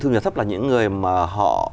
thu nhập thấp là những người mà họ